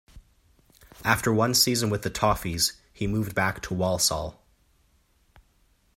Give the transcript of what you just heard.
After one season with the "Toffees" he moved back to Walsall.